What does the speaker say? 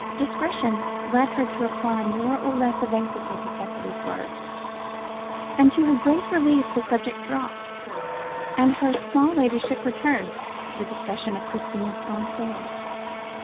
Discretion led her to reply more or less evasively to Cicely's words, and to her great relief the subject dropped, and her small ladyship returned to the discussion of Christina's own affairs.